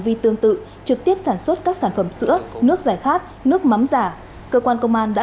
vi tương tự trực tiếp sản xuất các sản phẩm sữa nước giải khát nước mắm giả cơ quan công an đã